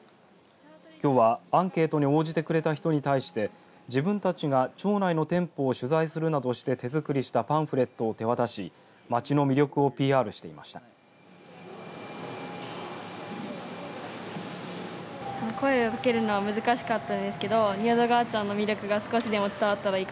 きょうはアンケートに応じてくれた人に対して自分たちが町内の店舗を取材するなどして手作りしたパンフレットを手渡し町の魅力をＰＲしていました。